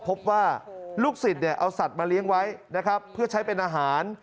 พบว่าลูกสิตเอาสัตว์มาเลี้ยงไว้เพื่อใช้เป็นอาหาร